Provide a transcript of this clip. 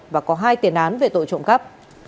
và có hai tiền án về tội trộm cắp